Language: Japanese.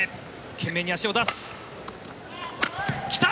懸命に足を出す。来た！